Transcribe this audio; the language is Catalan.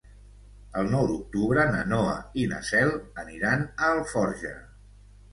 El nou d'octubre na Noa i na Cel aniran a Alforja.